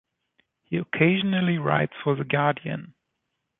He occasionally writes for "The Guardian".